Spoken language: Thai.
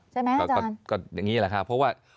ใช่ไหมอาจารย์